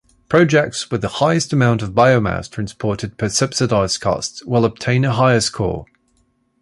Projects with the highest amount of biomass transported per subsidized cost will obtain a higher score.